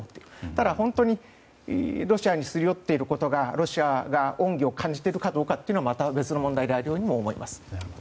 ただ本当にロシアにすり寄っていることがロシアが恩義を感じているかどうかはまた別の問題であるとも思います。